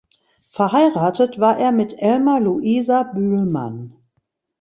Verheiratet war er mit Elma Luisa Bühlmann.